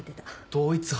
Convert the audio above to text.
同一犯！？